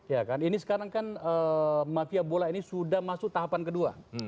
ya kan ini sekarang kan mafia bola ini sudah masuk tahapan kedua